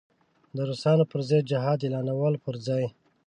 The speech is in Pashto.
د روسانو پر ضد جهاد اعلانولو پر ځای.